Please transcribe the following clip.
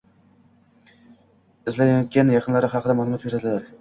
izlanayotgan yaqinlari xaqida ma’lumot beradilar.